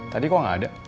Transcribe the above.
tadi kok gak ada